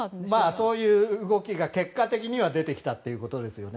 そういう動きが結果的に出てきたということですね。